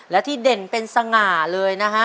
และที่เด่นเป็นสง่าเลยนะฮะ